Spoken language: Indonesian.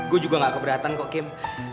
gue juga gak keberatan kok kim